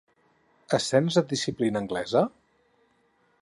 Escenes de disciplina anglesa?